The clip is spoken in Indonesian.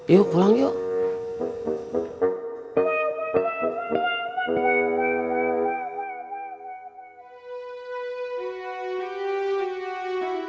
yuk pulang yuk